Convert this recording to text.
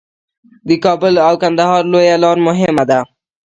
د کابل او کندهار لویه لار مهمه ده